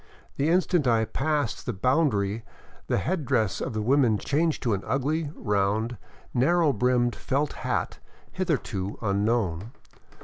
The instant I passed the bound ary the head dress of the women changed to an ugly, round, narrow brimmed felt hat hitherto unknown.